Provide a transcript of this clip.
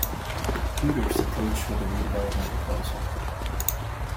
Hooters approached with a redevelopment proposal.